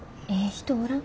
人おらん？